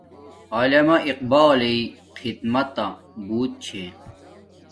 علامہ اقبالݵ خدماتا بوت چھے